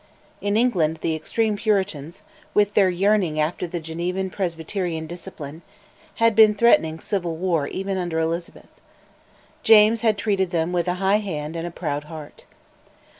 In England the extreme Puritans, with their yearning after the Genevan presbyterian discipline, had been threatening civil war even under Elizabeth. James had treated them with a high hand and a proud heart.